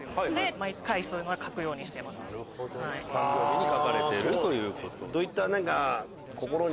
誕生日に書かれてるということで。